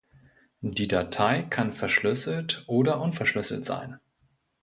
Die Datei kann verschlüsselt oder unverschlüsselt sein.